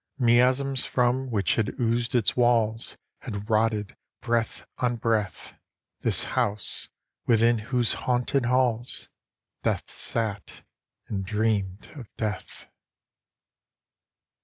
Miasms, from which had oozed its walls, Had rotted, breath on breath, This house, within whose haunted halls Death sat and dreamed of death.